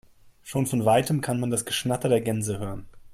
Schon von weitem kann man das Geschnatter der Gänse hören.